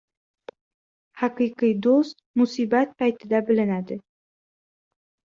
• Haqiqiy do‘st musibat payti bilinadi.